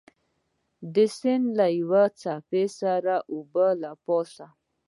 د سیند له یوې څپې سره د اوبو له پاسه.